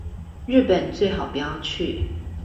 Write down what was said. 日本最好不要去